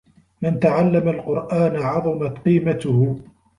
مَنْ تَعَلَّمَ الْقُرْآنَ عَظُمَتْ قِيمَتُهُ